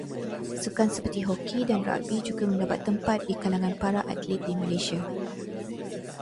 Sukan seperti hoki dan ragbi juga mendapat tempat di kalangan para atlit di Malaysia.